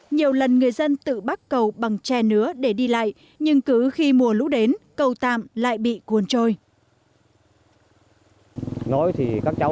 nhiều lần người dân tự bắt cầu bằng tre nứa để đi lại nhưng cứ khi mùa lũ đến cầu tạm lại bị cuốn trôi